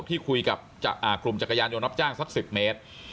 ที่คุยกับกลุ่มจักรยานยนต์รับจ้างสัก๑๐เมตร